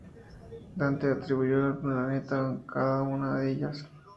Dante atribuyó un planeta a cada una de ellas.